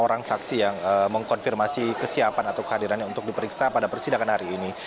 orang saksi yang mengkonfirmasi kesiapan atau kehadirannya untuk diperiksa pada persidangan hari ini